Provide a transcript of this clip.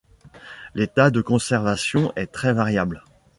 L'état de conservation est très variable.